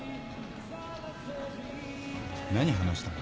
何話したの？